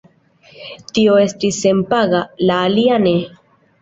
Tio estis senpaga, la alia ne.